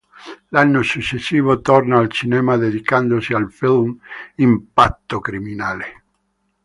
L'anno successivo torna al cinema dedicandosi al film "Impatto criminale".